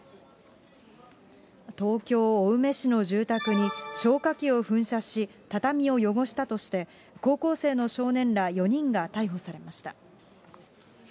東京・青梅市の住宅に消火器を噴射し、畳を汚したとして、高校生の少年ら４人が逮捕されました。